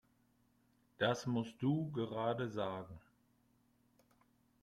Das musst du gerade sagen!